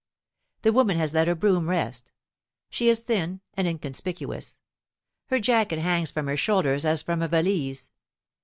The woman has let her broom rest. She is thin and inconspicuous. Her jacket hangs from her shoulders as from a valise.